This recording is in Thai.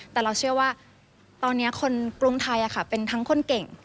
แต่เราเชื่อว่าตอนนี้คนกรุงไทยเป็นทั้งคนเก่ง